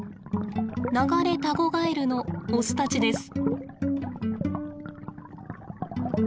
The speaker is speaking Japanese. ナガレタゴガエルのオスたちです。